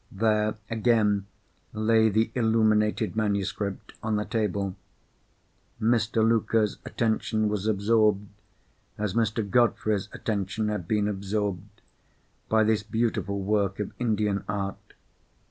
There, again, lay the illuminated manuscript on a table. Mr. Luker's attention was absorbed, as Mr. Godfrey's attention had been absorbed, by this beautiful work of Indian art.